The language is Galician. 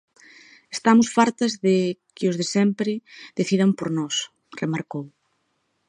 "Estamos fartas de que os de sempre decidan por nós", remarcou.